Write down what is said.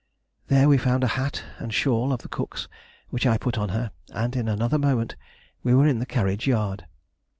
There we found a hat and shawl of the cook's which I put on her, and in another moment we were in the carriage yard.